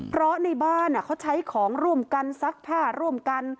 เพราะในบ้านเขาใช้ของร่วมกันซักผ้าร่วมกัน